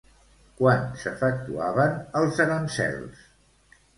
Quan s'efectuaven els aranzels?